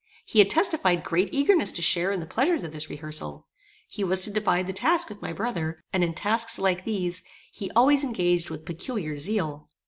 He had testified great eagerness to share in the pleasures of this rehearsal. He was to divide the task with my brother, and, in tasks like these, he always engaged with peculiar zeal.